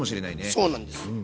そうなんです。